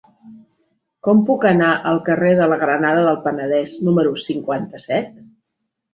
Com puc anar al carrer de la Granada del Penedès número cinquanta-set?